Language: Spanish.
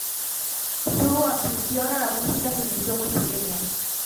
Su afición a la música se inició muy pequeña.